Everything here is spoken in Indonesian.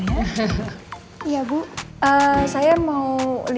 dan aku nanya ke mereka